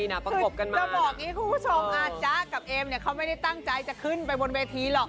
มันดายนะประกบกันมาคุณผู้ชมอาจจะกับเอมเขาไม่ได้ตั้งใจจะขึ้นไปบนเวทีหรอก